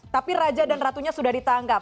tapi raja dan ratunya sudah ditangkap